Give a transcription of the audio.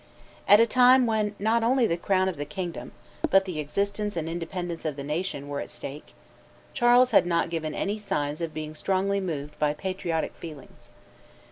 At a time when not only the crown of the kingdom, but the existence and independence of the nation, were at stake, Charles had not given any signs of being strongly moved by patriotic feelings.